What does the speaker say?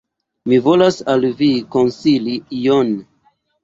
Mi volas al Vi konsili ion!